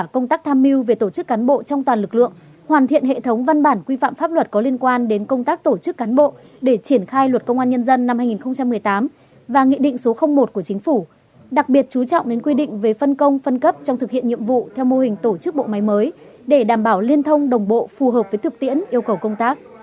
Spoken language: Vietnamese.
cục tổ chức cán bộ đã chủ động tham mưu đề xuất với đảng nhà nước đảng nhà nước và nghị định số một của chính phủ đặc biệt chú trọng đến quy định về phân công phân cấp trong thực hiện nhiệm vụ theo mô hình tổ chức bộ máy mới để đảm bảo liên thông đồng bộ phù hợp với thực tiễn yêu cầu công tác